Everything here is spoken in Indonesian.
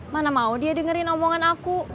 mana mau dia dengerin omongan aku